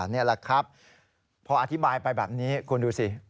นี่แหละครับพออธิบายไปแบบนี้คุณดูสิ